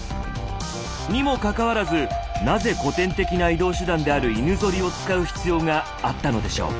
にもかかわらずなぜ古典的な移動手段である犬ゾリを使う必要があったのでしょう？